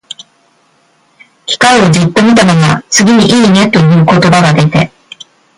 機械をじっと見たまま、次に、「いいね」と言葉が出て、